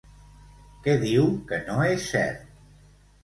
Què diu que no és cert?